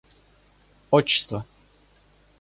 Отчество